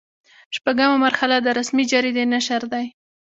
شپږمه مرحله د رسمي جریدې نشر دی.